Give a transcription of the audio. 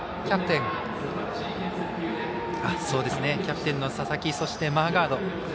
キャプテンの佐々木そして、マーガード。